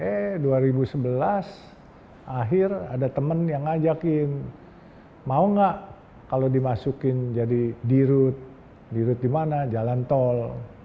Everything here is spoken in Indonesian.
eh dua ribu sebelas akhir ada temen yang ngajakin mau nggak kalau dimasukin jadi dirut dirut di mana jalan tol